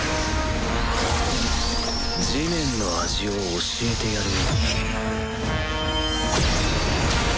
地面の味を教えてやるよ。